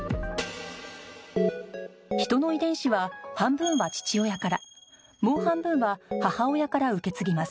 ヒトの遺伝子は半分は父親からもう半分は母親から受け継ぎます